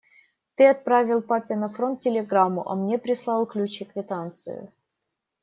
Ты отправил папе на фронт телеграмму, а мне прислал ключ и квитанцию?